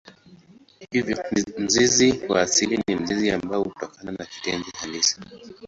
Hivyo mzizi wa asili ni mzizi ambao hutokana na kitenzi halisi.